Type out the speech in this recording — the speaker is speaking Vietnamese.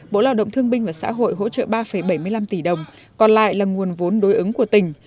bộ lao động thương binh và xã hội hỗ trợ ba bảy mươi năm tỷ đồng còn lại là nguồn vốn đối ứng của tỉnh